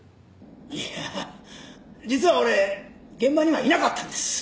いやぁ実は俺現場にはいなかったんです。